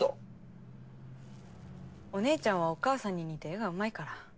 お姉ちゃんはお母さんに似て絵がうまいから。